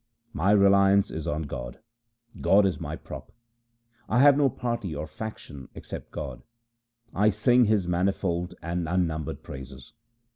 My reliance is on God ; God is my prop. I have no party or faction except God ; I sing His mani fold and unnumbered praises.